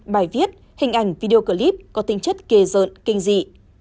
bài viết hình ảnh video clip có tính chất ghê rợn kinh dị